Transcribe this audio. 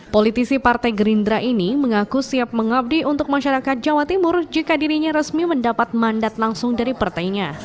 politisi partai gerindra ini mengaku siap mengabdi untuk masyarakat jawa timur jika dirinya resmi mendapat mandat langsung dari partainya